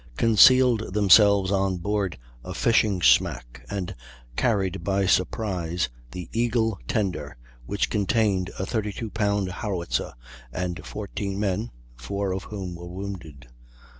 ] concealed themselves on board a fishing smack, and carried by surprise the Eagle tender, which contained a 32 pound howitzer and 14 men, 4 of whom were wounded.